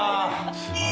すごい。